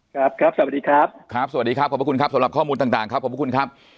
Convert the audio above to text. ครับครับสวัสดีครับครับสวัสดีครับขอบพระคุณครับสำหรับข้อมูลต่างครับขอบคุณครับ